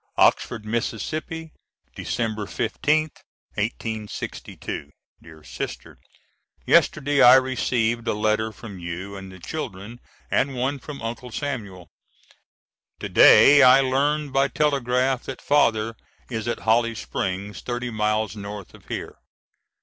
] Oxford, Mississippi, Dec. 15th, 1862. DEAR SISTER: Yesterday I received a letter from you and the children and one from Uncle Samuel. To day I learned by telegraph that Father is at Holly Springs, thirty miles north of here.